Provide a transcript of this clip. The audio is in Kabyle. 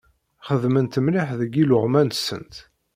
Xedment mliḥ deg yiluɣma-nsent.